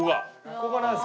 ここはなんですか？